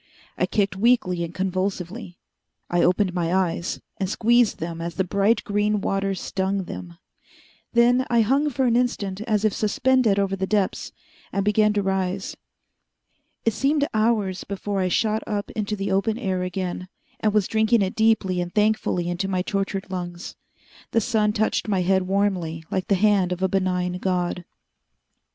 I kicked weakly and convulsively. I opened my eyes, and squeezed them as the bright green water stung them. Then I hung for an instant as if suspended over the depths, and began to rise. It seemed hours before I shot up into the open air again, and was drinking it deeply and thankfully into my tortured lungs. The sun touched my head warmly like the hand of a benign god.